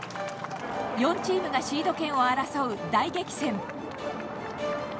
４チームがシード権を争う大激戦。